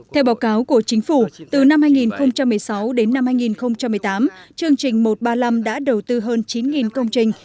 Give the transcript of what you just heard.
theo báo cáo của chính phủ từ năm hai nghìn một mươi sáu đến năm hai nghìn một mươi tám chương trình một trăm ba mươi năm đã đầu tư hơn chín công trình